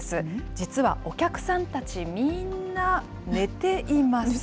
実はお客さんたち、みんな寝ています。